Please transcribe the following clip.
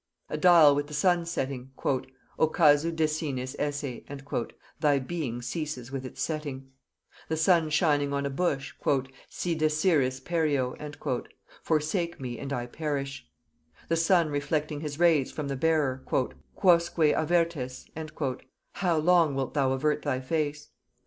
A dial with the sun setting, "Occasu desines esse" (Thy being ceases with its setting). The sun shining on a bush, "Si deseris pereo" (Forsake me, and I perish). The sun reflecting his rays from the bearer, "Quousque avertes" (How long wilt thou avert thy face)?